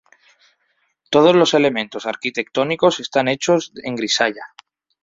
Todos los elementos arquitectónicos están hechos en grisalla.